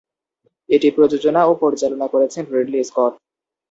এটি প্রযোজনা ও পরিচালনা করেছেন রিডলি স্কট।